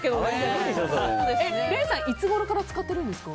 礼さん、いつごろから使ってるんですか？